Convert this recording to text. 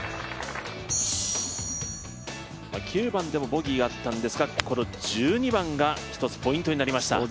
９番でもボギーがあったんですが、この１２番が一つポイントになりました。